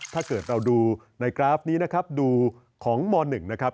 ถ้าเกิดเราดูในกราฟนี้นะครับดูของม๑นะครับ